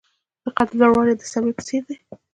د قد لوړوالی د سروې په څیر دی.